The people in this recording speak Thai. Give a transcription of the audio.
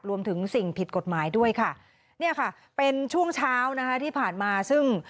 สิ่งผิดกฎหมายด้วยค่ะเนี่ยค่ะเป็นช่วงเช้านะคะที่ผ่านมาซึ่ง